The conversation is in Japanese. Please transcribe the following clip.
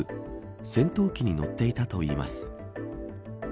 戦闘機に乗っていたといいます。